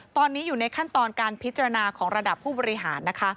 ตอนนี้อยู่ในขั้นตอนการพิจารณาของระดับผู้บริหารนะคะ